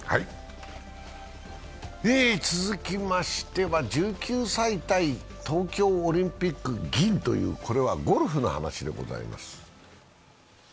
続きましては１９歳対東京オリンピック銀という、これはゴルフの話でございます。